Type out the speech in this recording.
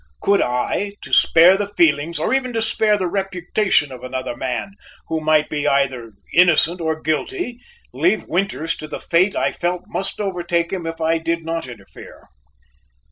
Could I, to spare the feelings or even to spare the reputation of another man who might be either innocent or guilty, leave Winters to the fate I felt must overtake him if I did not interfere?